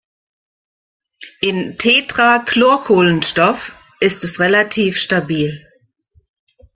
In Tetrachlorkohlenstoff ist es relativ stabil.